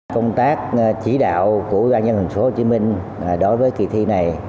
công tác chỉ đạo của ubnd tp hcm đối với kỳ thi này